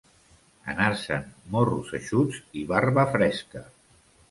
Anar-se'n morros eixuts i barba fresca.